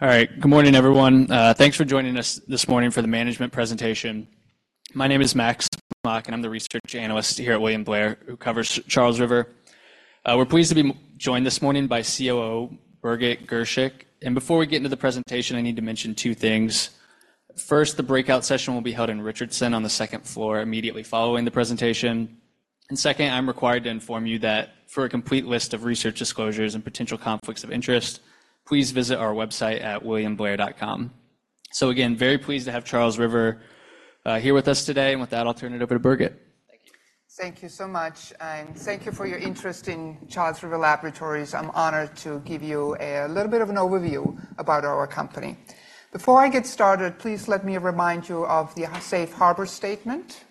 All right. Good morning, everyone. Thanks for joining us this morning for the management presentation. My name is Max Smock, and I'm the research analyst here at William Blair, who covers Charles River. We're pleased to be joined this morning by COO, Birgit Girshick. And before we get into the presentation, I need to mention two things: First, the breakout session will be held in Richardson on the second floor, immediately following the presentation. And second, I'm required to inform you that for a complete list of research disclosures and potential conflicts of interest, please visit our website at williamblair.com. So again, very pleased to have Charles River here with us today, and with that, I'll turn it over to Birgit. Thank you. Thank you so much, and thank you for your interest in Charles River Laboratories. I'm honored to give you a little bit of an overview about our company. Before I get started, please let me remind you of the Safe Harbor statement.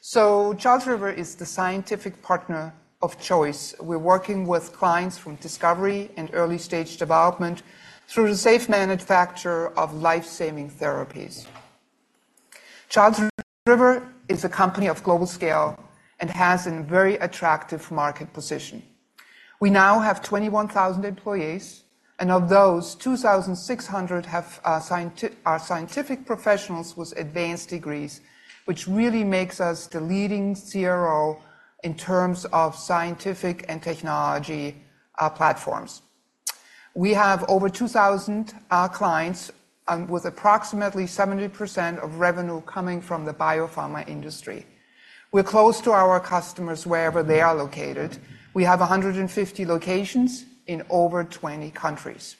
So Charles River is the scientific partner of choice. We're working with clients from discovery and early-stage development through the safe manufacture of life-saving therapies. Charles River is a company of global scale and has a very attractive market position. We now have 21,000 employees, and of those, 2,600 are scientific professionals with advanced degrees, which really makes us the leading CRO in terms of scientific and technology platforms. We have over 2,000 clients with approximately 70% of revenue coming from the biopharma industry. We're close to our customers wherever they are located. We have 150 locations in over 20 countries.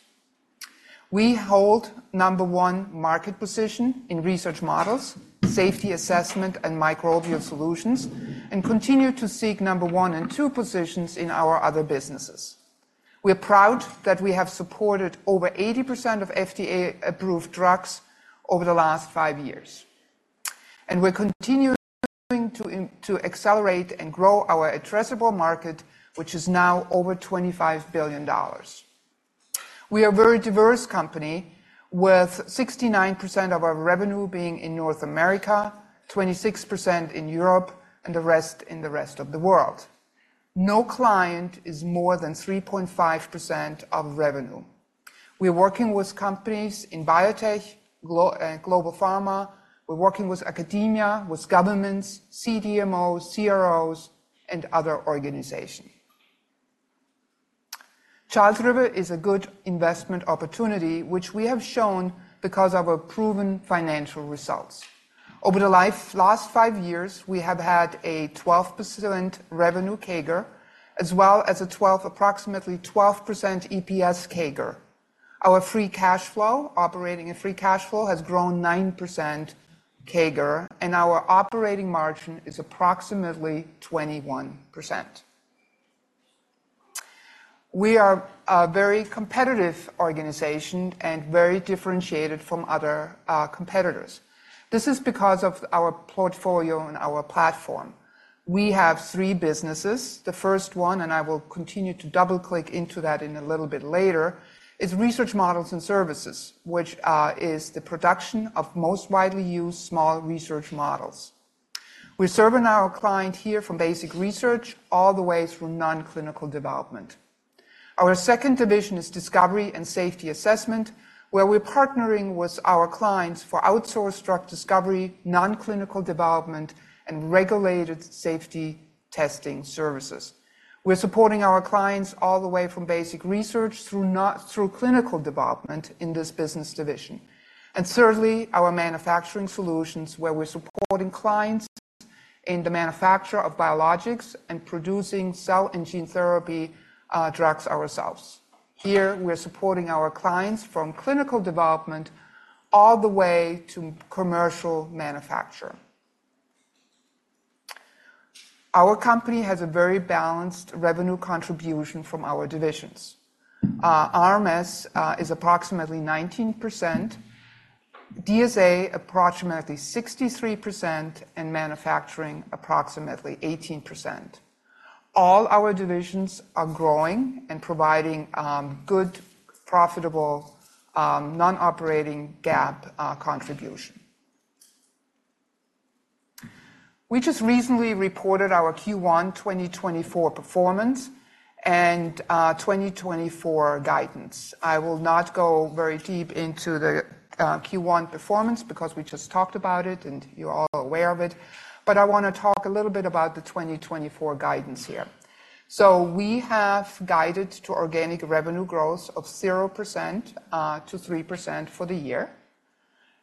We hold number one market position in research models, Safety Assessment, and Microbial Solutions, and continue to seek number one and number two positions in our other businesses. We're proud that we have supported over 80% of FDA-approved drugs over the last 5 years, and we're continuing to accelerate and grow our addressable market, which is now over $25 billion. We are a very diverse company, with 69% of our revenue being in North America, 26% in Europe, and the rest in the rest of the world. No client is more than 3.5% of revenue. We're working with companies in biotech, global pharma. We're working with academia, with governments, CDMOs, CROs, and other organizations. Charles River is a good investment opportunity, which we have shown because of our proven financial results. Over the last five years, we have had a 12% revenue CAGR, as well as a 12, approximately 12% EPS CAGR. Our free cash flow, operating and free cash flow, has grown 9% CAGR, and our operating margin is approximately 21%. We are a very competitive organization and very differentiated from other competitors. This is because of our portfolio and our platform. We have three businesses. The first one, and I will continue to double-click into that in a little bit later, is Research Models and Services, which is the production of most widely used small research models. We're serving our client here from basic research all the way through non-clinical development. Our second division is Discovery and Safety Assessment, where we're partnering with our clients for outsourced drug discovery, non-clinical development, and regulated safety testing services. We're supporting our clients all the way from basic research through clinical development in this business division, and certainly, our Manufacturing Solutions, where we're supporting clients in the manufacture of biologics and producing cell and gene therapy drugs ourselves. Here, we're supporting our clients from clinical development all the way to commercial manufacture. Our company has a very balanced revenue contribution from our divisions. RMS is approximately 19%, DSA approximately 63%, and manufacturing approximately 18%. All our divisions are growing and providing good, profitable non-operating GAAP contribution. We just recently reported our Q1 2024 performance and 2024 guidance. I will not go very deep into the Q1 performance because we just talked about it, and you're all aware of it, but I wanna talk a little bit about the 2024 guidance here. We have guided to organic revenue growth of 0%-3% for the year.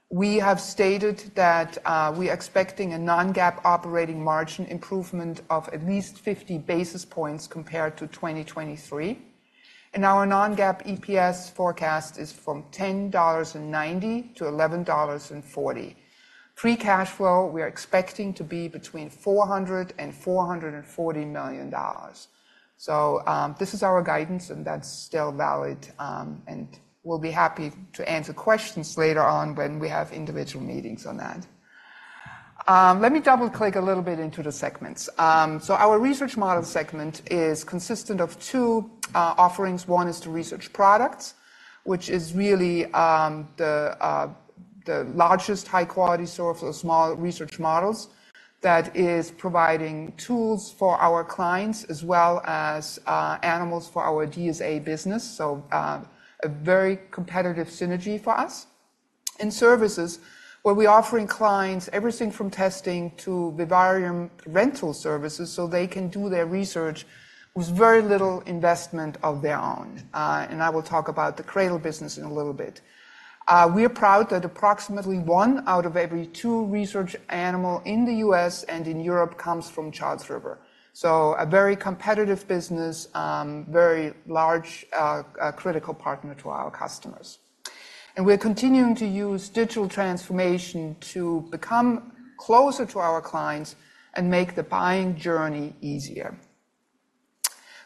We have stated that we're expecting a non-GAAP operating margin improvement of at least 50 basis points compared to 2023, and our non-GAAP EPS forecast is from $10.90-$11.40. Free cash flow, we are expecting to be between $400 million and $440 million. This is our guidance, and that's still valid, and we'll be happy to answer questions later on when we have individual meetings on that. Let me double-click a little bit into the segments. So our research model segment is consistent of two offerings. One is the research products, which is really the largest high-quality source of small research models that is providing tools for our clients, as well as animals for our DSA business. So a very competitive synergy for us. In services, where we're offering clients everything from testing to vivarium rental services, so they can do their research with very little investment of their own. And I will talk about the CRADL business in a little bit. We are proud that approximately one out of every two research animal in the U.S. and in Europe comes from Charles River. So a very competitive business, very large, critical partner to our customers. We're continuing to use digital transformation to become closer to our clients and make the buying journey easier.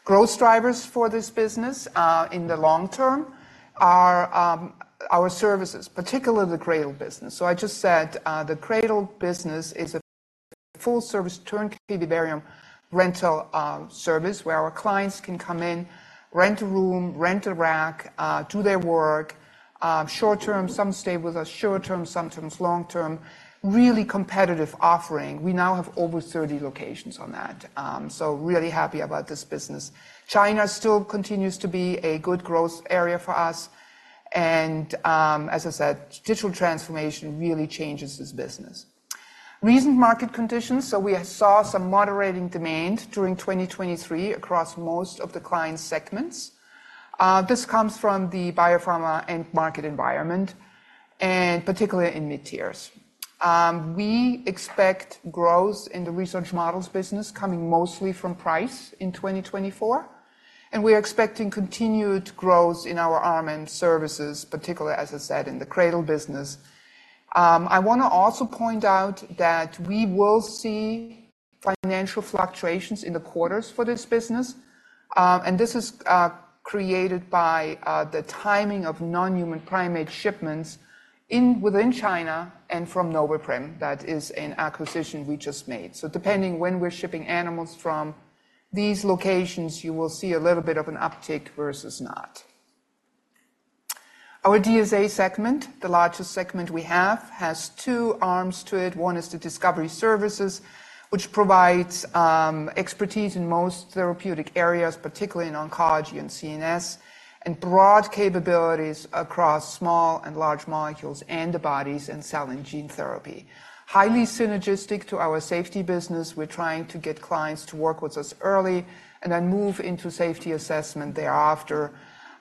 Growth drivers for this business, in the long term are, our services, particularly the CRADL business. So I just said, the CRADL business is a full-service, turnkey vivarium rental service, where our clients can come in, rent a room, rent a rack, do their work, short term. Some stay with us short term, sometimes long term. Really competitive offering. We now have over 30 locations on that. So really happy about this business. China still continues to be a good growth area for us, and, as I said, digital transformation really changes this business. Recent market conditions. So we saw some moderating demand during 2023 across most of the client segments. This comes from the biopharma end market environment, and particularly in mid tiers. We expect growth in the research models business coming mostly from price in 2024, and we are expecting continued growth in our RMS services, particularly, as I said, in the CRADL business. I want to also point out that we will see financial fluctuations in the quarters for this business, and this is created by the timing of non-human primate shipments within China and from Noveprim. That is an acquisition we just made. So depending when we're shipping animals from these locations, you will see a little bit of an uptick versus not. Our DSA segment, the largest segment we have, has two arms to it. One is the discovery services, which provides expertise in most therapeutic areas, particularly in oncology and CNS, and broad capabilities across small and large molecules, antibodies, and cell and gene therapy. Highly synergistic to our safety business, we're trying to get clients to work with us early and then move into Safety Assessment thereafter.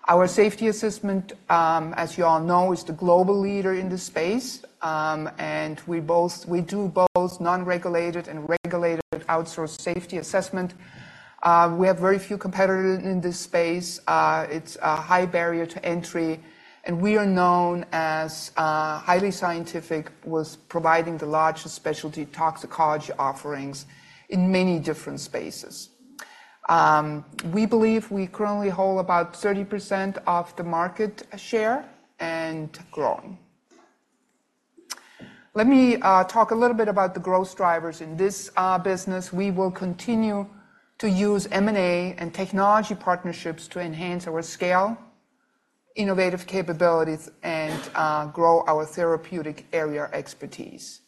Our Safety Assessment, as you all know, is the global leader in this space, and we do both non-regulated and regulated outsourced Safety Assessment. We have very few competitors in this space. It's a high barrier to entry, and we are known as highly scientific with providing the largest specialty toxicology offerings in many different spaces. We believe we currently hold about 30% of the market share and growing. Let me talk a little bit about the growth drivers. In this business, we will continue to use M&A and technology partnerships to enhance our scale, innovative capabilities, and grow our therapeutic area expertise.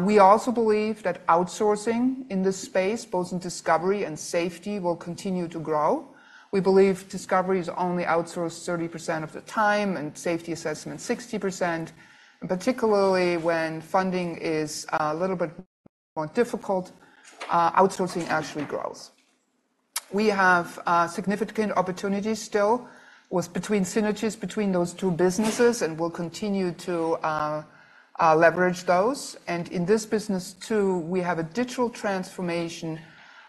We also believe that outsourcing in this space, both in discovery and safety, will continue to grow. We believe discovery is only outsourced 30% of the time, and Safety Assessment, 60%. Particularly when funding is a little bit more difficult, outsourcing actually grows. We have significant opportunities still with synergies between those two businesses, and we'll continue to leverage those. And in this business, too, we have a digital transformation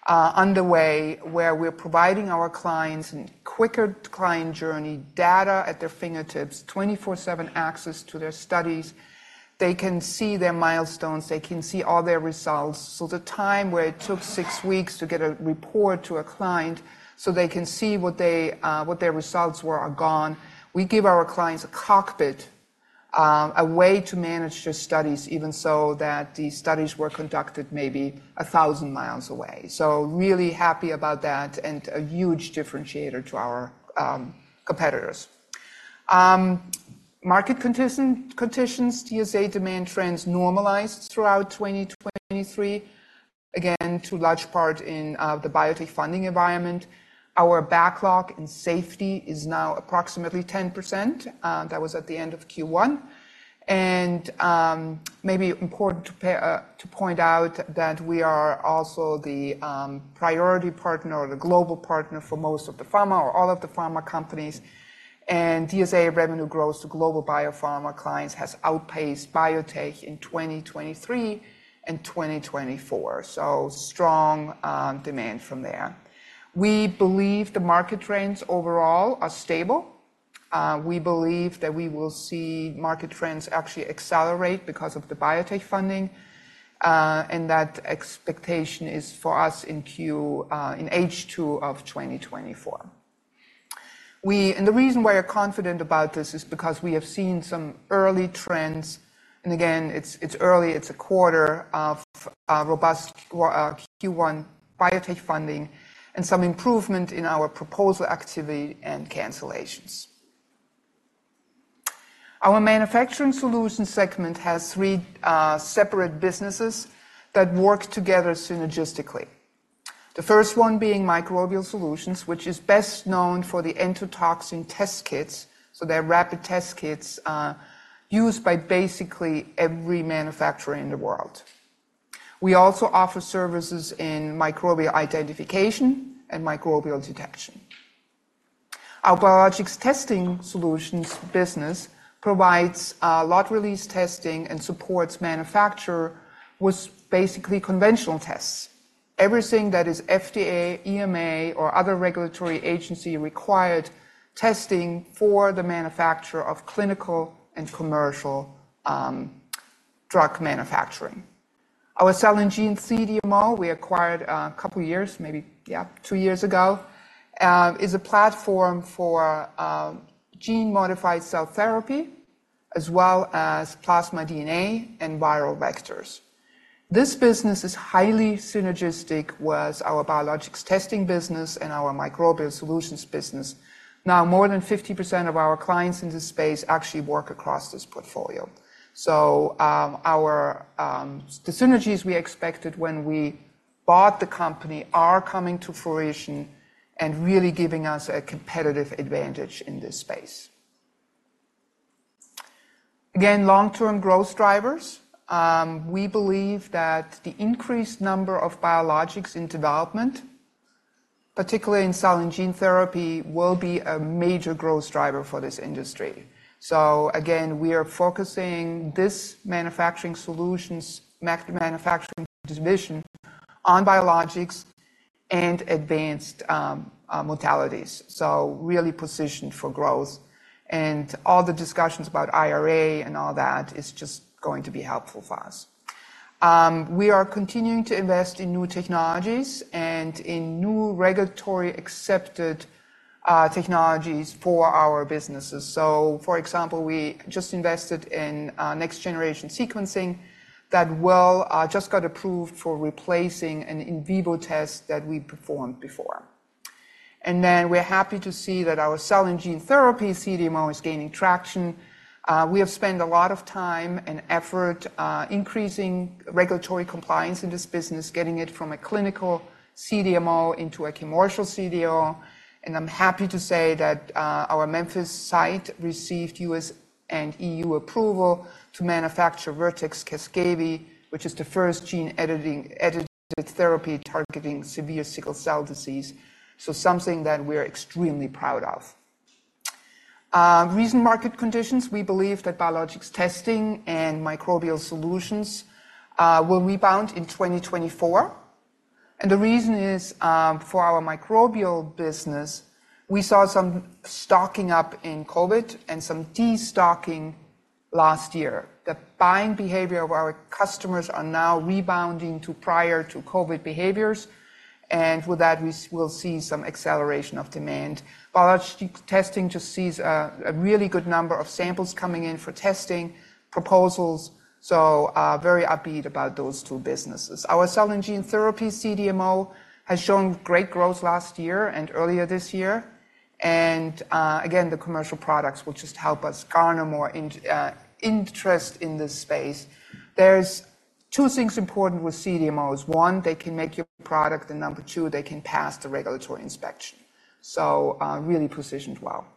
underway, where we're providing our clients a quicker client journey, data at their fingertips, 24/7 access to their studies. They can see their milestones. They can see all their results. So the time where it took 6 weeks to get a report to a client so they can see what they, what their results were are gone. We give our clients a cockpit, a way to manage their studies, even so that the studies were conducted maybe 1,000 miles away. So really happy about that, and a huge differentiator to our, competitors. Market conditions, DSA demand trends normalized throughout 2023, again, to large part in, the biotech funding environment. Our backlog in safety is now approximately 10%. That was at the end of Q1. And, maybe important to, to point out that we are also the, priority partner or the global partner for most of the pharma or all of the pharma companies. DSA revenue growth to global biopharma clients has outpaced biotech in 2023 and 2024. So strong demand from there. We believe the market trends overall are stable. We believe that we will see market trends actually accelerate because of the biotech funding, and that expectation is for us in Q in H2 of 2024. And the reason we are confident about this is because we have seen some early trends. And again, it's early, it's a quarter of robust Q1 biotech funding and some improvement in our proposal activity and cancellations. Our Manufacturing Solutions segment has three separate businesses that work together synergistically. The first one being Microbial Solutions, which is best known for the endotoxin test kits, so they're rapid test kits used by basically every manufacturer in the world. We also offer services in microbial identification and microbial detection. Our Biologics Testing Solutions business provides lot release testing and supports manufacture with basically conventional tests. Everything that is FDA, EMA, or other regulatory agency-required testing for the manufacturer of clinical and commercial drug manufacturing. Our Cell and Gene CDMO, we acquired a couple of years, maybe, yeah, two years ago, is a platform for gene-modified cell therapy, as well as plasma DNA and viral vectors. This business is highly synergistic with our Biologics Testing business and our Microbial Solutions business. Now, more than 50% of our clients in this space actually work across this portfolio. The synergies we expected when we bought the company are coming to fruition and really giving us a competitive advantage in this space. Again, long-term growth drivers. We believe that the increased number of biologics in development, particularly in cell and gene therapy, will be a major growth driver for this industry. So again, we are focusing this Manufacturing Solutions, manufacturing division on biologics and advanced modalities, so really positioned for growth. And all the discussions about IRA and all that is just going to be helpful for us. We are continuing to invest in new technologies and in new regulatory accepted technologies for our businesses. So for example, we just invested in next-generation sequencing that will just got approved for replacing an in vivo test that we performed before. And then we're happy to see that our cell and gene therapy, CDMO, is gaining traction. We have spent a lot of time and effort, increasing regulatory compliance in this business, getting it from a clinical CDMO into a commercial CDMO. And I'm happy to say that, our Memphis site received U.S. and EU approval to manufacture Vertex Casgevy, which is the first gene editing, edited therapy targeting severe sickle cell disease. So something that we're extremely proud of. Recent market conditions, we believe that Biologics Testing and Microbial Solutions, will rebound in 2024. And the reason is, for our microbial business, we saw some stocking up in COVID and some de-stocking last year. The buying behavior of our customers are now rebounding to prior to COVID behaviors, and with that, we'll see some acceleration of demand. Biologics Testing just sees a really good number of samples coming in for testing proposals, so, very upbeat about those two businesses. Our cell and gene therapy CDMO has shown great growth last year and earlier this year, and, again, the commercial products will just help us garner more interest in this space. There are two things important with CDMOs. One, they can make your product, and number two, they can pass the regulatory inspection. So, really positioned well.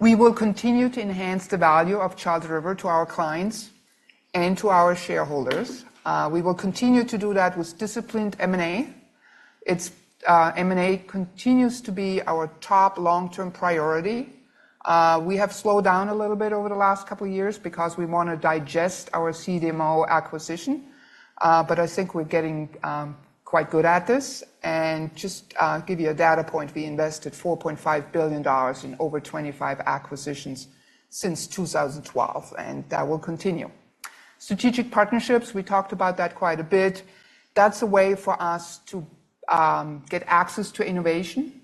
We will continue to enhance the value of Charles River to our clients and to our shareholders. We will continue to do that with disciplined M&A. It's M&A continues to be our top long-term priority. We have slowed down a little bit over the last couple of years because we wanna digest our CDMO acquisition, but I think we're getting quite good at this. And just give you a data point, we invested $4.5 billion in over 25 acquisitions since 2012, and that will continue. Strategic partnerships, we talked about that quite a bit. That's a way for us to get access to innovation,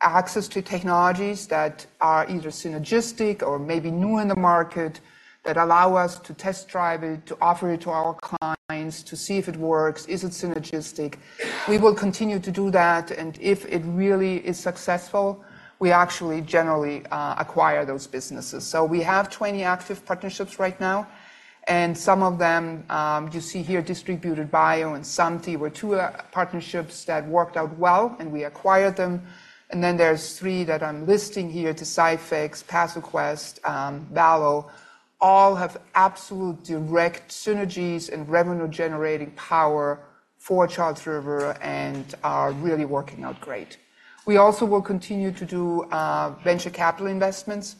access to technologies that are either synergistic or maybe new in the market, that allow us to test drive it, to offer it to our clients, to see if it works. Is it synergistic? We will continue to do that, and if it really is successful, we actually generally acquire those businesses. So we have 20 active partnerships right now, and some of them, you see here, Distributed Bio and SAMDI Tech, were two partnerships that worked out well, and we acquired them. And then there's three that I'm listing here, Deciphex, PathoQuest, Valo, all have absolute direct synergies and revenue-generating power for Charles River and are really working out great. We also will continue to do venture capital investments.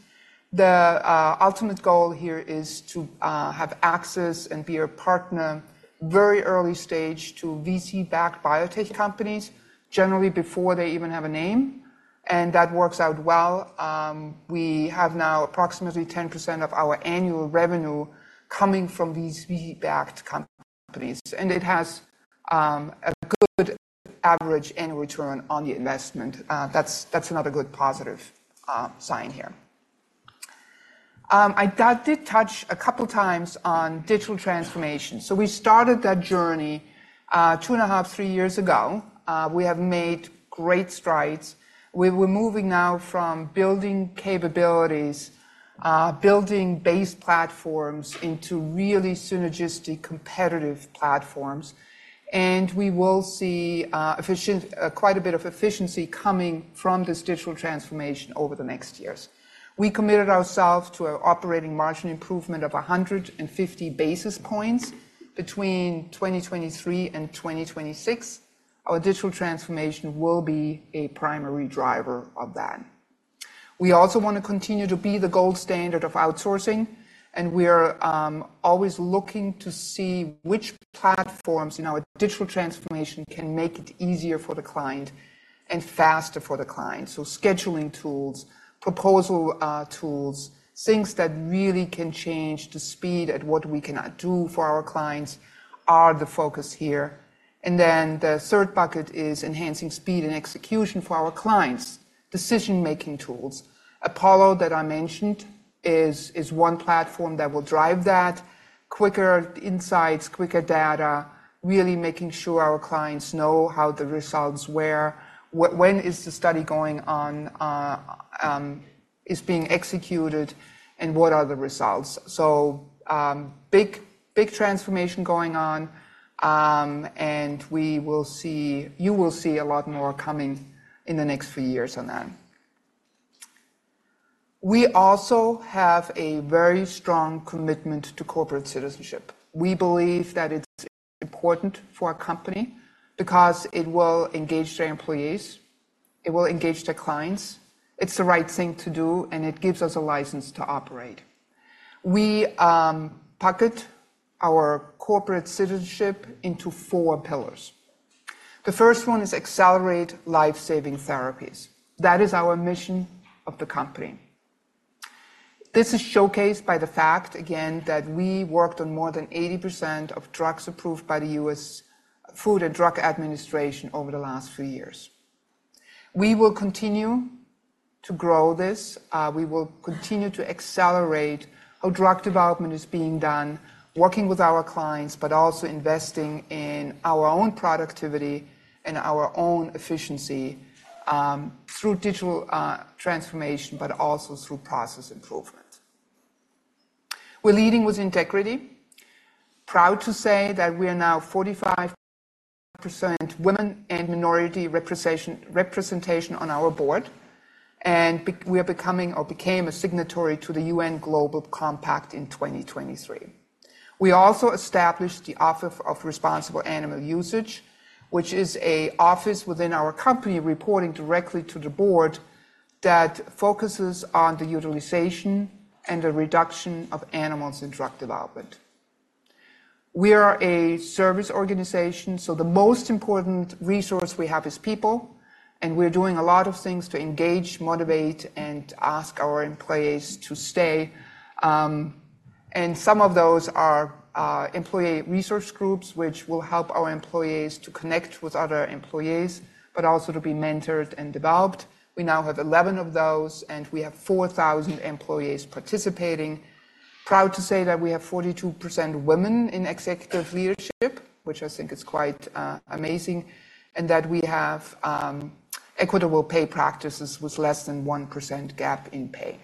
The ultimate goal here is to have access and be a partner, very early stage, to VC-backed biotech companies, generally before they even have a name, and that works out well. We have now approximately 10% of our annual revenue coming from these VC-backed companies, and it has a good average annual return on the investment. That's another good positive sign here. I did touch a couple times on digital transformation. So we started that journey two and a half, three years ago. We have made great strides. We're moving now from building capabilities, building base platforms into really synergistic, competitive platforms. And we will see quite a bit of efficiency coming from this digital transformation over the next years. We committed ourselves to an operating margin improvement of 150 basis points between 2023 and 2026. Our digital transformation will be a primary driver of that. We also wanna continue to be the gold standard of outsourcing, and we are always looking to see which platforms in our digital transformation can make it easier for the client and faster for the client. So scheduling tools, proposal tools, things that really can change the speed at what we can now do for our clients are the focus here. And then the third bucket is enhancing speed and execution for our clients. Decision-making tools. Apollo, that I mentioned, is one platform that will drive that. Quicker insights, quicker data, really making sure our clients know how the results were, when is the study going on, is being executed, and what are the results? So, big transformation going on, and you will see a lot more coming in the next few years on that. We also have a very strong commitment to corporate citizenship. We believe that it's important for our company because it will engage the employees, it will engage the clients, it's the right thing to do, and it gives us a license to operate. We bucket our corporate citizenship into four pillars. The first one is accelerate life-saving therapies. That is our mission of the company. This is showcased by the fact, again, that we worked on more than 80% of drugs approved by the U.S. Food and Drug Administration over the last few years. We will continue to grow this. We will continue to accelerate how drug development is being done, working with our clients, but also investing in our own productivity and our own efficiency through digital transformation, but also through process improvement. We're leading with integrity. Proud to say that we are now 45% women and minority representation on our board, and we are becoming, or became a signatory to the UN Global Compact in 2023. We also established the Office of Responsible Animal Usage, which is an office within our company, reporting directly to the board, that focuses on the utilization and the reduction of animals in drug development. We are a service organization, so the most important resource we have is people, and we're doing a lot of things to engage, motivate, and ask our employees to stay. And some of those are employee resource groups, which will help our employees to connect with other employees, but also to be mentored and developed. We now have 11 of those, and we have 4,000 employees participating. Proud to say that we have 42% women in executive leadership, which I think is quite, amazing, and that we have equitable pay practices with less than 1% gap in pay.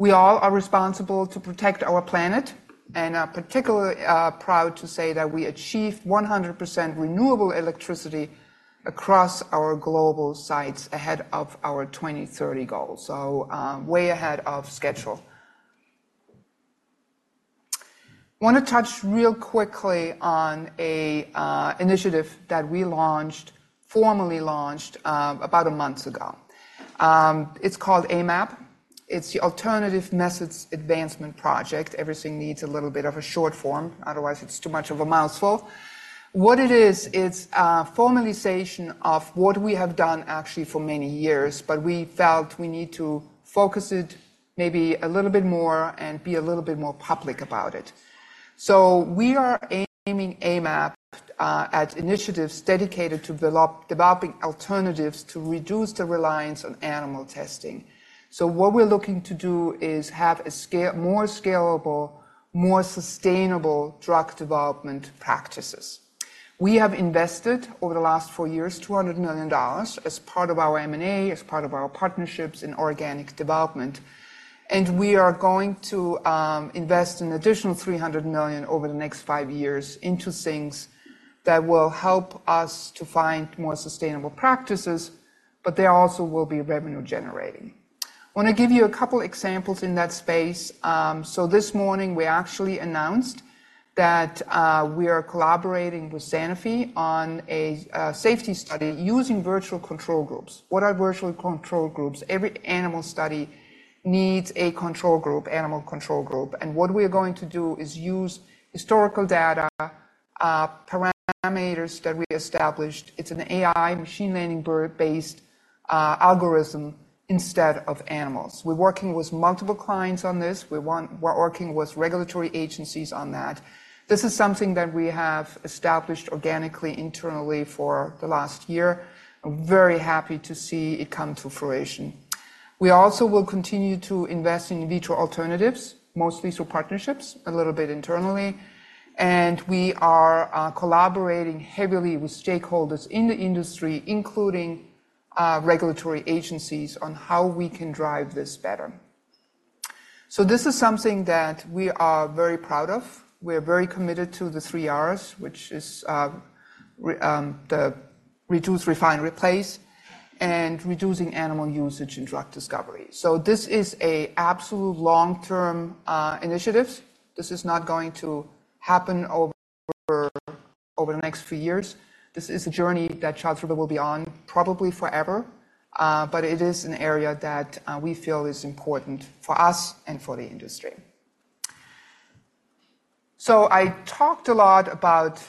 We all are responsible to protect our planet, and are particularly proud to say that we achieved 100% renewable electricity across our global sites ahead of our 2030 goals. So, way ahead of schedule. Wanna touch real quickly on a initiative that we launched, formally launched, about a month ago. It's called AMAP. It's the Alternative Methods Advancement Project. Everything needs a little bit of a short form, otherwise it's too much of a mouthful. What it is, it's a formalization of what we have done actually for many years, but we felt we need to focus it maybe a little bit more and be a little bit more public about it. So we are aiming AMAP at initiatives dedicated to developing alternatives to reduce the reliance on animal testing. So what we're looking to do is have more scalable, more sustainable drug development practices. We have invested, over the last four years, $200 million as part of our M&A, as part of our partnerships in organic development, and we are going to invest an additional $300 million over the next five years into things that will help us to find more sustainable practices, but they also will be revenue generating. Wanna give you a couple examples in that space. So this morning, we actually announced that we are collaborating with Sanofi on a safety study using Virtual Control Groups. What are Virtual Control Groups? Every animal study needs a control group, animal control group, and what we are going to do is use historical data, parameters that we established. It's an AI, machine learning-based algorithm instead of animals. We're working with multiple clients on this. We're working with regulatory agencies on that. This is something that we have established organically, internally for the last year. I'm very happy to see it come to fruition. We also will continue to invest in in vitro alternatives, mostly through partnerships, a little bit internally, and we are collaborating heavily with stakeholders in the industry, including regulatory agencies, on how we can drive this better. So this is something that we are very proud of. We're very committed to the three R's, which is replace, reduce, refine, and reducing animal usage in drug discovery. So this is an absolute long-term initiative. This is not going to happen over the next few years. This is a journey that Charles River will be on, probably forever, but it is an area that we feel is important for us and for the industry. So I talked a lot about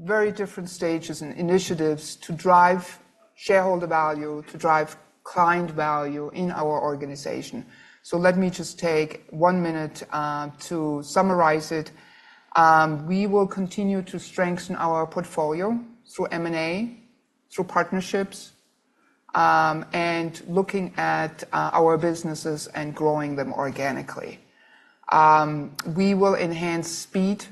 very different stages and initiatives to drive shareholder value, to drive client value in our organization. So let me just take one minute to summarize it. We will continue to strengthen our portfolio through M&A, through partnerships, and looking at our businesses and growing them organically. We will enhance speed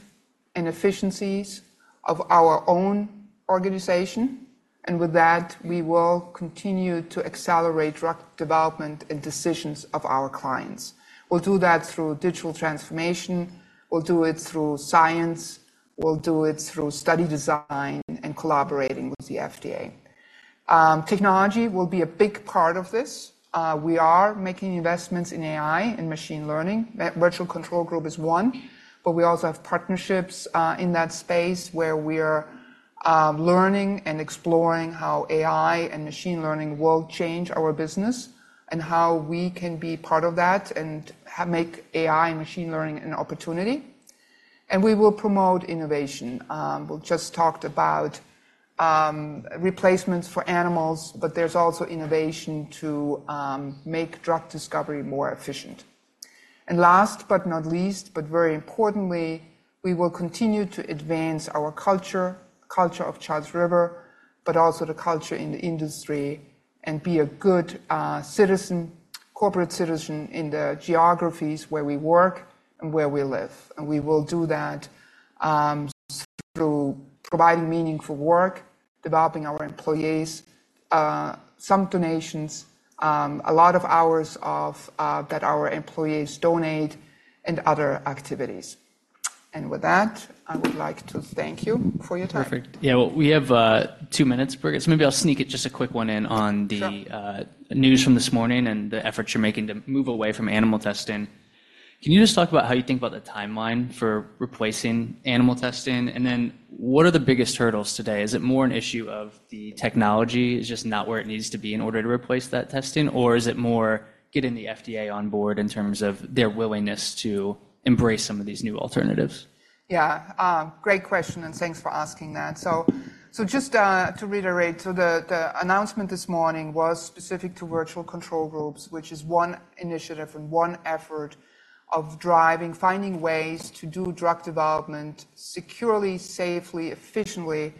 and efficiencies of our own organization, and with that, we will continue to accelerate drug development and decisions of our clients. We'll do that through digital transformation, we'll do it through science, we'll do it through study design, and collaborating with the FDA. Technology will be a big part of this. We are making investments in AI and machine learning. Virtual Control Groups is one, but we also have partnerships in that space, where we're learning and exploring how AI and machine learning will change our business, and how we can be part of that, and make AI and machine learning an opportunity. We will promote innovation. We've just talked about replacements for animals, but there's also innovation to make drug discovery more efficient. And last but not least, but very importantly, we will continue to advance our culture, culture of Charles River, but also the culture in the industry, and be a good citizen, corporate citizen in the geographies where we work and where we live. And we will do that through providing meaningful work, developing our employees, some donations, a lot of hours of that our employees donate, and other activities. And with that, I would like to thank you for your time. Perfect. Yeah, well, we have two minutes, Birgit, so maybe I'll sneak it, just a quick one in on the- Sure. News from this morning and the efforts you're making to move away from animal testing. Can you just talk about how you think about the timeline for replacing animal testing? And then, what are the biggest hurdles today? Is it more an issue of the technology is just not where it needs to be in order to replace that testing, or is it more getting the FDA on board in terms of their willingness to embrace some of these new alternatives? Yeah. Great question, and thanks for asking that. So, just to reiterate, the announcement this morning was specific to Virtual Control Groups, which is one initiative and one effort of driving, finding ways to do drug development securely, safely, efficiently,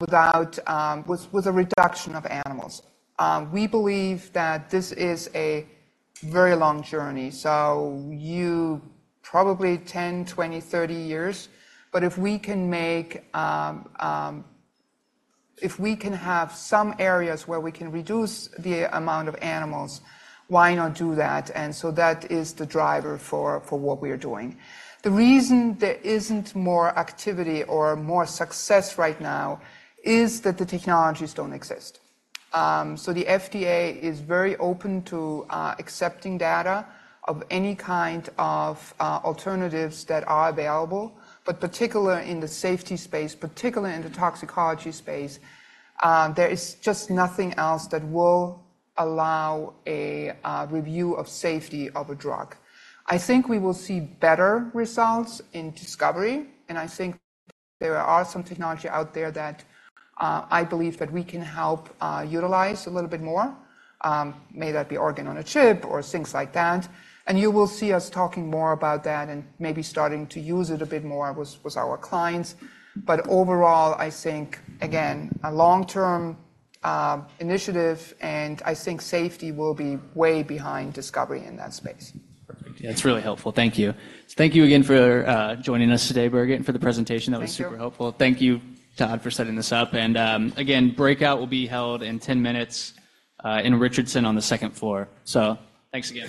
without, with a reduction of animals. We believe that this is a very long journey, so you probably 10, 20, 30 years. But if we can make, if we can have some areas where we can reduce the amount of animals, why not do that? And so that is the driver for what we are doing. The reason there isn't more activity or more success right now is that the technologies don't exist. So the FDA is very open to accepting data of any kind of alternatives that are available, but particularly in the safety space, particularly in the toxicology space, there is just nothing else that will allow a review of safety of a drug. I think we will see better results in discovery, and I think there are some technology out there that I believe that we can help utilize a little bit more, may that be organ-on-a-chip or things like that. And you will see us talking more about that and maybe starting to use it a bit more with our clients. But overall, I think, again, a long-term initiative, and I think safety will be way behind discovery in that space. Perfect. Yeah, it's really helpful. Thank you. Thank you again for joining us today, Birgit, and for the presentation. Thank you. That was super helpful. Thank you, Todd, for setting this up. And, again, breakout will be held in 10 minutes, in Richardson on the second floor. So thanks again.